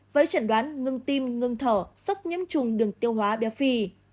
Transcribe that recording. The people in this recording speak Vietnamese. với trận đoán ngưng tim ngưng thở sốc nhiễm trùng đường tiêu hóa béo phì